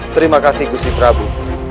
terima kasih gusti prabu